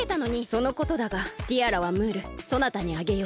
そのことだがティアラはムールそなたにあげよう。